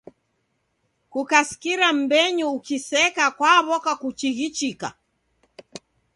Kukasikira mbenyu ukiseka kwaw'oka kuchighichika!